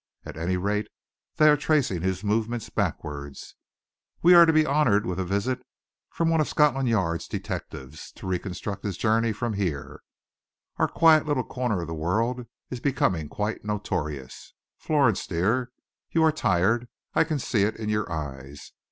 At any rate, they are tracing his movements backwards. We are to be honoured with a visit from one of Scotland Yard's detectives, to reconstruct his journey from here. Our quiet little corner of the world is becoming quite notorious. Florence dear, you are tired. I can see it in your eyes.